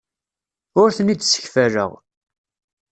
Ur ten-id-ssekfaleɣ.